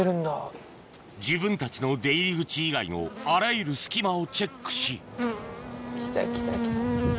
自分たちの出入り口以外のあらゆる隙間をチェックし来た来た来た。